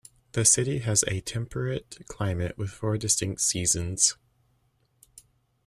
The city has a temperate climate with four distinct seasons.